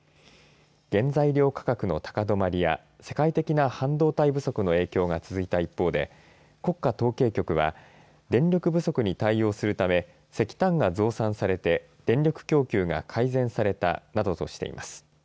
原材料価格の高止まりや世界的な半導体不足の影響が続いた一方で国家統計局は電力不足に対応するため石炭が増産されて電力供給が改善されたなどとしています。